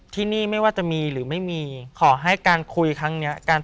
ที่นี่ไม่ว่าจะมีหรือไม่มีขอให้การคุยครั้งนี้